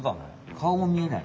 顔もみえない。